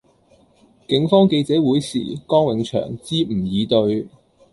警方記者會時江永祥支吾以對